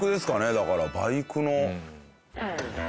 だからバイクの。